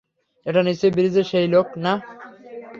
এটা নিশ্চয়ই ব্রিজে দেখা সেই লোক, না?